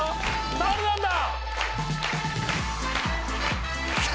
誰なんだ？